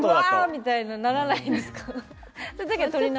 みたいにはならないんですか？